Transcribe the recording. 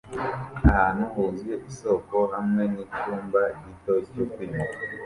Ahantu huzuye isoko hamwe nicyumba gito cyo kwimuka